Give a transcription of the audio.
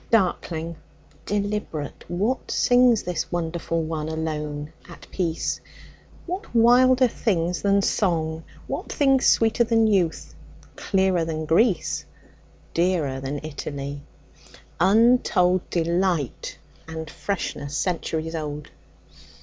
Darkling, deliberate, what singsThis wonderful one, alone, at peace? What wilder things than song, what thingsSweeter than youth, clearer than Greece, Dearer than Italy, untoldDelight, and freshness centuries old?